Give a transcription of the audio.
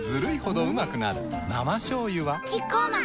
生しょうゆはキッコーマン